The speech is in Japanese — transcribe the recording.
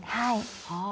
はい。